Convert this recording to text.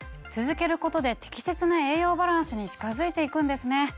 続けることで適切な栄養バランスに近づいて行くんですね。